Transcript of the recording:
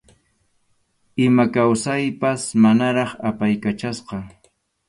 Ima kawsaypas manaraq apaykachasqa.